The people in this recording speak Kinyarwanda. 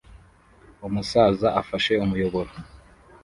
Umusaza ufashe umuyoboro